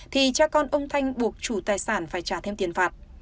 thì cha con ông thanh buộc chủ tài sản phải trả thêm tiền phạt